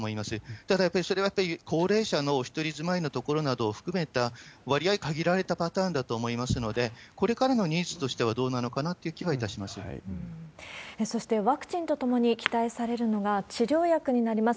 ただやっぱり、それは高齢者のお１人住まいの所などを含めた割合限られたパターンだと思いますので、これからのニーズとしてはどそして、ワクチンとともに期待されるのが治療薬になります。